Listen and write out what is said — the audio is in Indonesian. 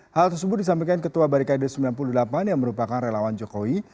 hal tersebut disampaikan ketua barikade sembilan puluh delapan yang merupakan relawan jokowi